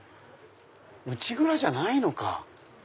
内蔵じゃないのか。